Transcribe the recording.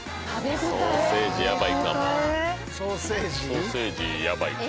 ソーセージヤバいかも。